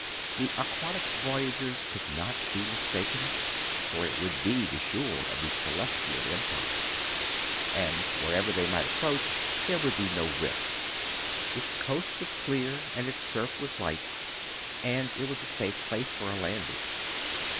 The aquatic voy agers would not be mistaken, for it would be the shore of the Celestial Empire ; and, wherever they might approach, there would be no risk. Its coast was clear, and its surf was light ; and it would be a safe place for a landing.